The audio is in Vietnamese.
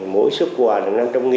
mỗi xuất quà là năm trăm linh